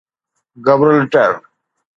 Gibraltar